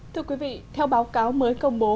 thưa quý vị theo báo cáo mới công bố